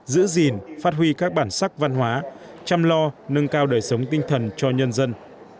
giữ gìn phát huy các bản sắc văn hóa chăm lo nâng cao đời sống tinh thần cho nhân dân